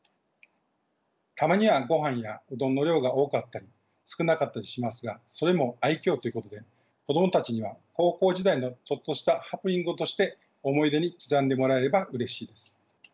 たまには御飯やうどんの量が多かったり少なかったりしますがそれも愛きょうということで子供たちには高校時代のちょっとしたハプニングとして思い出に刻んでもらえればうれしいです。